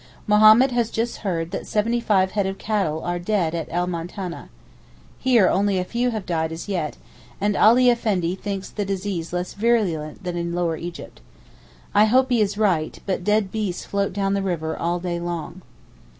Mohammed has just heard that seventy five head of cattle are dead at El Moutaneh. Here only a few have died as yet, and Ali Effendi thinks the disease less virulent than in Lower Egypt. I hope he is right; but dead beasts float down the river all day long.